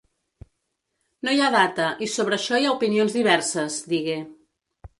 No hi ha data i sobre això hi ha opinions diverses, digué.